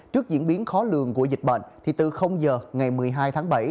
trước diễn biến khó lường của dịch bệnh thì từ giờ ngày một mươi hai tháng bảy